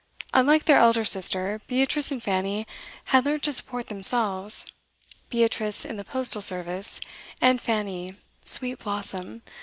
Unlike their elder sister, Beatrice and Fanny had learnt to support themselves, Beatrice in the postal service, and Fanny, sweet blossom!